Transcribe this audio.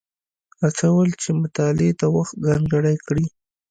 هڅول مې چې مطالعې ته وخت ځانګړی کړي.